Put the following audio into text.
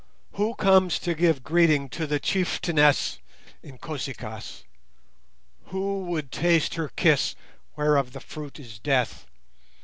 Who comes to give greeting to the Chieftainess [Inkosi kaas]? Who would taste her kiss, whereof the fruit is death?